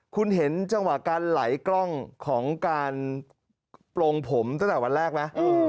คุณเห็นจังหวะการไหลกล้องของการโปรงผมตั้งแต่วันแรกไหม